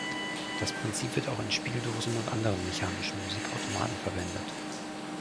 Das Prinzip wird auch in Spieldosen und anderen mechanischen Musikautomaten verwendet.